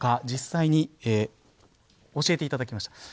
実際に教えていただきました